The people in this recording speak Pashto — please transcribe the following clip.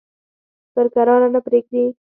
پر کراره نه پرېږدي.